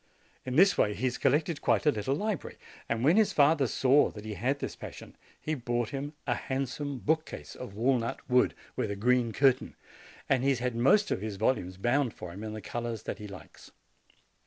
In this way he has collected quite a little library; and when his father saw that he had this passion, he bought him a handsome bookcase of walnut wood, with a green cur tain, and he has had most of his volumes bound for him in the colors that he likes.